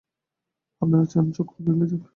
আপনারা চান চক্র ভেঙে যাক?